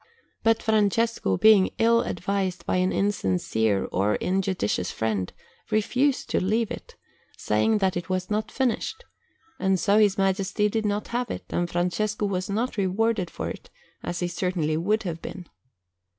But Francesco, being ill advised by an insincere or injudicious friend, refused to leave it, saying that it was not finished; and so his Majesty did not have it, and Francesco was not rewarded for it, as he certainly would have been.